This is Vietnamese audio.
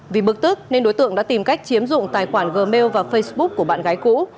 vì bực tức nên đối tượng đã tìm cách chiếm dụng tài khoản gmail và facebook của bạn gái cũ